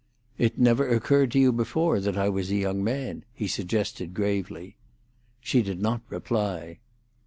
"It never occurred to you before that I was a young man," he suggested gravely. She did not reply.